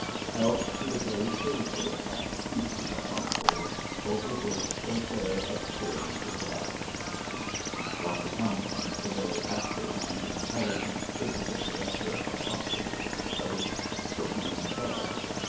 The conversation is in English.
Health to the brave soldier, and peace to the household over which so fair a spirit presides! Dr. Thompson, the very active and intelligent surgical director of the hospitals of the place, took me in charge.